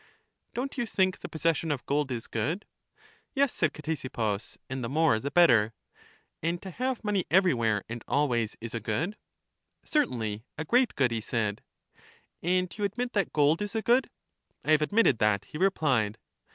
Don't you think the possession of gold is good? Yes, said Ctesippus, and the more the better. And to have money everywhere and always is a good. Certainly, a great good, he said. And you admit that gold is a good? I have admitted that, he replied.